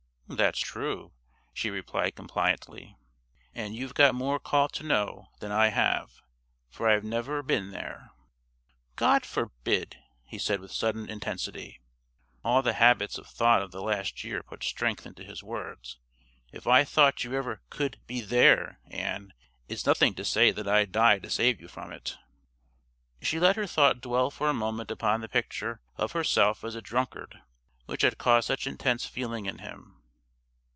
"That's true," she replied compliantly; "and you've got more call to know than I have, for I've never 'been there.'" "God forbid!" he said with sudden intensity. All the habits of thought of the last year put strength into his words. "If I thought you ever could be 'there,' Ann, it's nothing to say that I'd die to save you from it." She let her thought dwell for a moment upon the picture of herself as a drunkard which had caused such intense feeling in him.